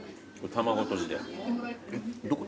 卵とじで。